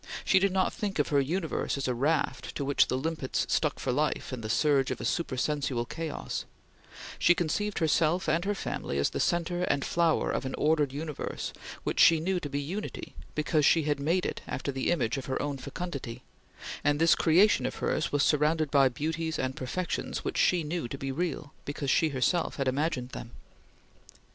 She did not think of her universe as a raft to which the limpets stuck for life in the surge of a supersensual chaos; she conceived herself and her family as the centre and flower of an ordered universe which she knew to be unity because she had made it after the image of her own fecundity; and this creation of hers was surrounded by beauties and perfections which she knew to be real because she herself had imagined them.